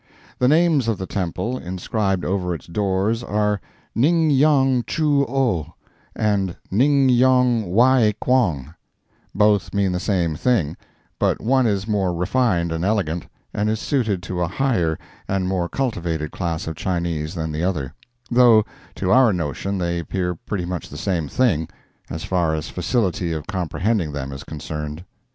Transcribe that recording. The names of the temple, inscribed over its doors, are, "Ning Yong Chu Oh," and "Ning Yong Wae Quong;" both mean the same thing, but one is more refined and elegant, and is suited to a higher and more cultivated class of Chinese than the other—though to our notion they appear pretty much the same thing, as far as facility of comprehending them is concerned.